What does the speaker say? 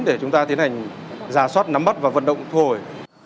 để chúng ta tiến hành giả soát nắm bắt và vận động thu hồi